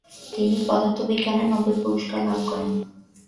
তিনি পদার্থবিজ্ঞানে নোবেল পুরস্কার লাভ করেন।